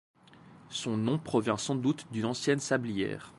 Son nom provient sans doute d'une ancienne sablière.